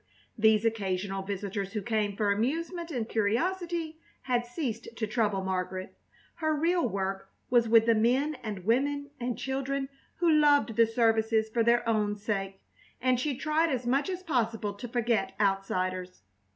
These occasional visitors who came for amusement and curiosity had ceased to trouble Margaret. Her real work was with the men and women and children who loved the services for their own sake, and she tried as much as possible to forget outsiders.